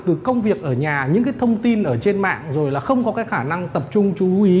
từ công việc ở nhà những cái thông tin ở trên mạng rồi là không có cái khả năng tập trung chú ý